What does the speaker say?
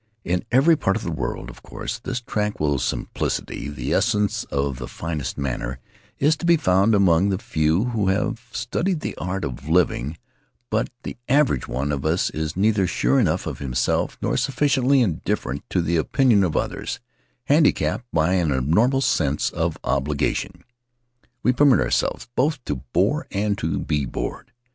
In every part of the world, of course, this tranquil simplic ity — the essence of the finest manner — is to be found among the few who have studied the art of living, but the average one of us is neither sure enough of himself nor sufficiently indifferent to the opinion of others; handicapped by an abnormal sense of obligation, we permit ourselves both to bore and to be bored.